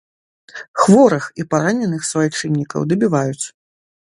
Хворых і параненых суайчыннікаў дабіваюць.